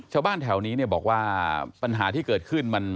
ชาวบ้านแถวนี้เนี่ยบอกว่าปัญหาที่เกิดขึ้นมัน